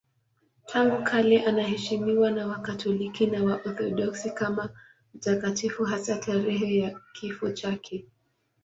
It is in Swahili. Tangu kale anaheshimiwa na Wakatoliki na Waorthodoksi kama mtakatifu, hasa tarehe ya kifo chake.